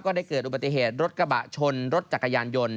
ได้เกิดอุบัติเหตุรถกระบะชนรถจักรยานยนต์